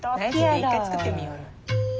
１回作ってみようよ。